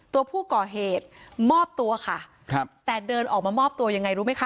ตัวผู้ก่อเหตุมอบตัวค่ะครับแต่เดินออกมามอบตัวยังไงรู้ไหมคะ